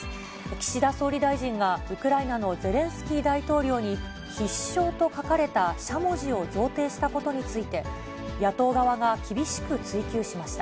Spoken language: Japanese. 岸田総理大臣がウクライナのゼレンスキー大統領に、必勝と書かれたしゃもじを贈呈したことについて、野党側が厳しく追及しました。